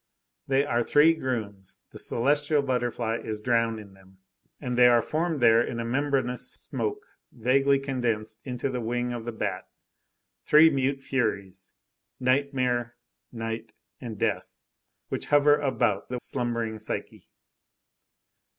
They are three grooms; the celestial butterfly is drowned in them; and there are formed there in a membranous smoke, vaguely condensed into the wing of the bat, three mute furies, Nightmare, Night, and Death, which hover about the slumbering Psyche.